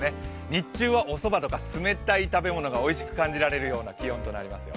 日中はおそばとか冷たい食べ物がおいしく感じるような気温になりそうですよ。